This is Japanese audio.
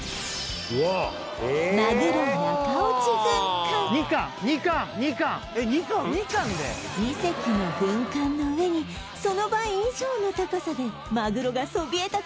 マグロ中落ち軍艦２隻の軍艦の上にその倍以上の高さでマグロがそびえ立つ